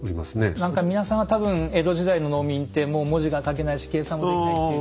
何か皆さんは多分江戸時代の農民ってもう文字が書けないし計算もできないっていう。